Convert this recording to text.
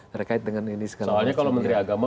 terkait dengan ini sekarang soalnya kalau menteri agama